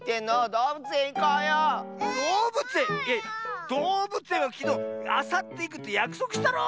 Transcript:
どうぶつえんはきのうあさっていくってやくそくしたろ。